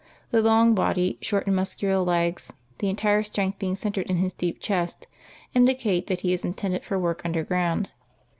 The long body, short and muscular legs, the entire strength being centered in his deep chest, indicate that he is intended for work under ground.